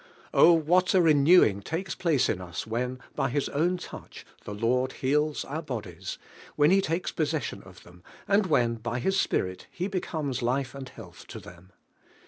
O, what a renewing takes place in us when, by His own touch, the Lord heals DIVINE IIEALIKQ. our 'bodies, when He takes possession of them, and when by His Spirit He becomes life and 'health to them!